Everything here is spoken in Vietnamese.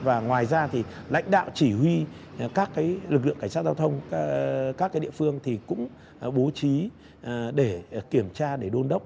và ngoài ra thì lãnh đạo chỉ huy các lực lượng cảnh sát giao thông các địa phương thì cũng bố trí để kiểm tra để đôn đốc